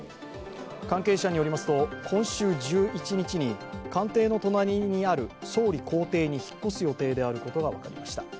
関係者によりますと、今週１１日に官邸の隣にある総理公邸に引っ越す予定であることが分かりました。